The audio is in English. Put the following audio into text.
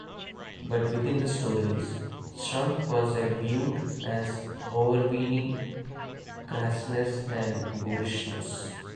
But within the stories, strumph was a viewed as overweening crassness and boorishness.